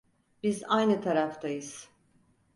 Biz aynı taraftayız.